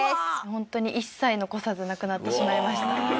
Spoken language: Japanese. ホントに一切残さず亡くなってしまいました。